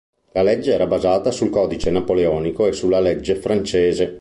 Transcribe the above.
La legge era basata sul Codice napoleonico e sulla legge francese.